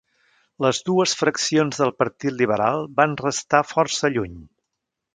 Les dues fraccions del Partit Liberal van restar força lluny.